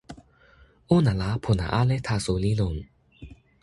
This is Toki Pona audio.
ona la pona ale taso li lon.